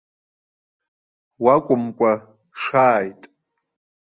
Уакәымкәа шааит!